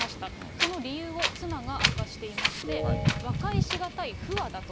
その理由を妻が明かしていまして、和解しがたい不和だと。